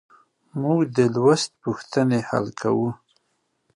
موږ د لوست پوښتنې حل کوو.